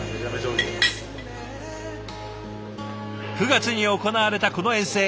９月に行われたこの遠征。